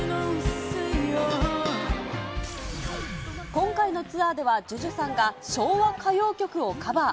今回のツアーでは、ＪＵＪＵさんが昭和歌謡曲をカバー。